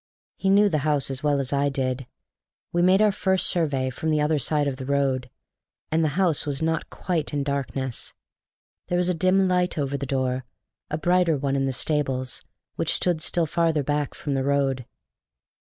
He knew the house as well as I did. We made our first survey from the other side of the road. And the house was not quite in darkness; there was a dim light over the door, a brighter one in the stables, which stood still farther back from the road.